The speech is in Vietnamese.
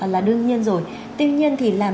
là đương nhiên rồi tuy nhiên thì làm